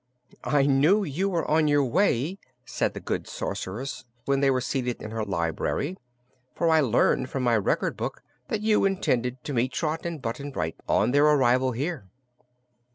"I knew you were on your way," said the good Sorceress when they were seated in her library, "for I learned from my Record Book that you intended to meet Trot and Button Bright on their arrival here."